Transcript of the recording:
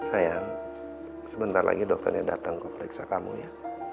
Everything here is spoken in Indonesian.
sayang sebentar lagi dokternya datang ke periksa kamu ya